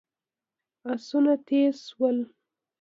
آسونه تېز شول.